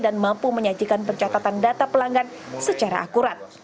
dan mampu menyajikan percatatan data pelanggan secara akurat